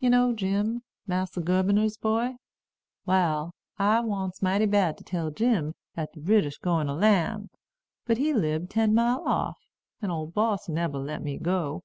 You know Jim, Massa Gubernor's boy? Wal, I wants mighty bad to tell Jim dat de British gwine to lan'; but he lib ten mile off, and ole boss nebber let me go.